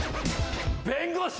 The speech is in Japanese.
弁護士！